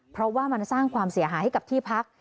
เพราะว่ามันสร้างความเสียหายให้กับที่พัก